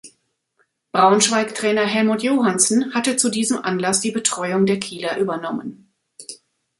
Braunschweig-Trainer Helmuth Johannsen hatte zu diesem Anlass die Betreuung der Kieler übernommen.